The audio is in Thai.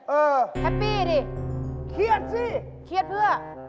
แฮปปี้ดิเครียดสิเครียดเพื่อ